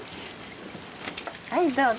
はいどうぞ。